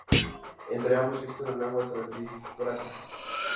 Entre ambos existe una laguna estratigráfica.